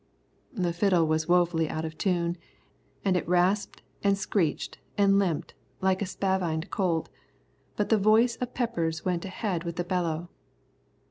The fiddle was wofully out of tune, and it rasped and screeched and limped like a spavined colt, but the voice of Peppers went ahead with the bellow.